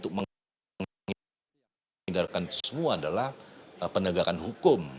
untuk menghindarkan semua adalah penegakan hukum